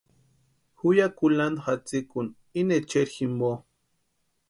Ju ya kulantu jatsikuni íni echeri jimpo.